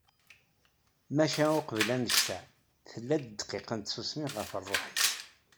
Maca uqbel annect-a, tella-d ddqiqa n tsusmi ɣef rruḥ-is.